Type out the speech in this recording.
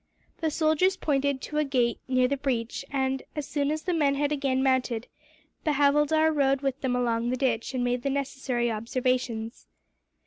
The soldiers pointed to a gate near the breach and, as soon as the men had again mounted, the havildar rode with them along the ditch, and made the necessary observations.